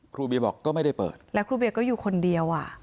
ครูเบียบอกก็ไม่ได้เปิดแล้วครูเบียก็อยู่คนเดียวอ่ะ